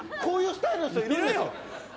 こういうスタイルの人いるの。